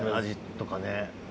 味とかね。